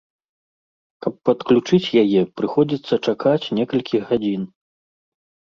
Каб падключыць яе, прыходзіцца чакаць некалькі гадзін.